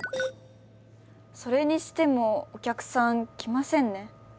それにしてもお客さん来ませんね。